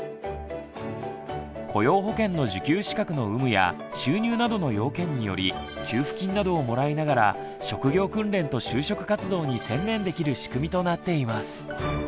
雇用保険の受給資格の有無や収入などの要件により給付金などをもらいながら職業訓練と就職活動に専念できる仕組みとなっています。